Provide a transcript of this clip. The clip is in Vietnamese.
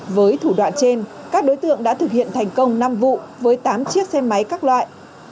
với thủ đoạn trên các đối tượng đã thực hiện thành công năm vụ với tám chiếc xe máy các loại